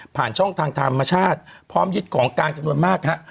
ผ่านช่องทางธรรมชาติพร้อมยึดของกลางจำนวนมากฮะ